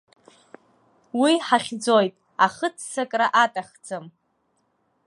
Уи ҳахьӡоит, ахыццакра аҭахӡам.